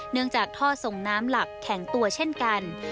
จากท่อส่งน้ำหลักแข็งตัวเช่นกัน